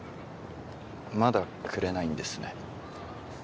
まだくれないんですね